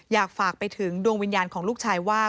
อยากฝากไปถึงดวงวิญญาณของลูกชายว่า